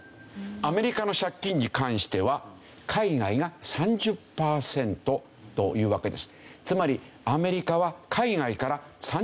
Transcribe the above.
アメリカの借金に関しては海外が３０パーセントというわけです。